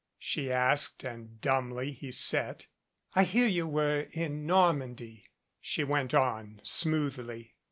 she asked, and dumbly he sat. "I hear you were in Normandy," she went on smoothly.